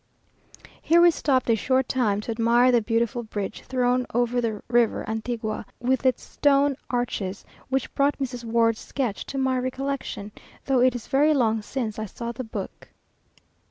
Here we stopped a short time to admire the beautiful bridge thrown over the river Antigua, with its stone arches, which brought Mrs. Ward's sketch to my recollection, though it is very long since I saw the book.